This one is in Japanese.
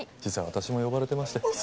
実は私も呼ばれてまして。